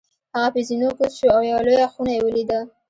هغه په زینو کوز شو او یوه لویه خونه یې ولیده.